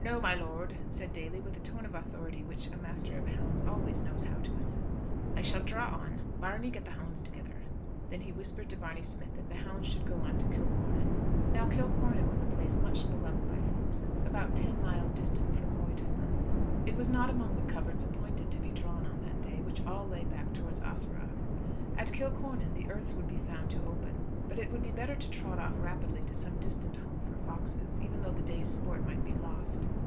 "No, my lord," said Daly, with the tone of authority which a master of hounds always knows how to assume. "I shall draw on. Barney, get the hounds together." Then he whispered to Barney Smith that the hounds should go on to Kilcornan. Now Kilcornan was a place much beloved by foxes, about ten miles distant from Moytubber. It was not among the coverts appointed to be drawn on that day, which all lay back towards Ahaseragh. At Kilcornan the earths would be found to open. But it would be better to trot off rapidly to some distant home for foxes, even though the day's sport might be lost.